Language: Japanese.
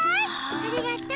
ありがとう。